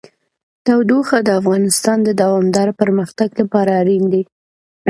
تودوخه د افغانستان د دوامداره پرمختګ لپاره اړین دي.